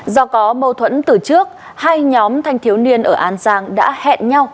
do có mâu thuẫn từ trước hai nhóm thanh thiếu niên ở an giang đã hẹn nhau